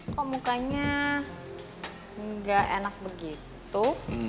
kok mukanya nggak enak begitu